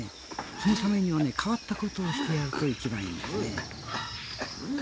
そのためには変わったことをしてやると一番いいんですね。